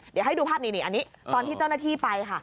เดี๋ยวให้ดูภาพนี้อันนี้ตอนที่เจ้าหน้าที่ไปค่ะ